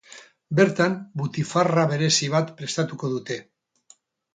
Bertan, butifarra berezi bat prestatuko dute.